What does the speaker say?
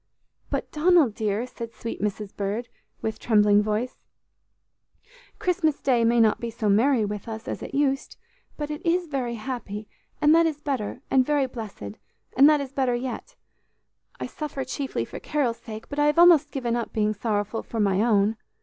"But, Donald, dear," said sweet Mrs. Bird, with trembling voice, "Christmas day may not be so merry with us as it used, but it is very happy, and that is better, and very blessed, and that is better yet. I suffer chiefly for Carol's sake, but I have almost given up being sorrowful for my own.